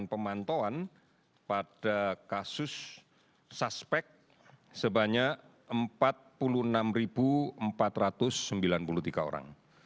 pemantauan pada kasus suspek sebanyak empat puluh enam empat ratus sembilan puluh tiga orang